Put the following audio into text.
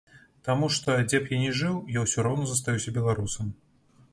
Таму што, дзе б я не жыў, я ўсё роўна застаюся беларусам.